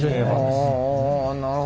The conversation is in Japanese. なるほど。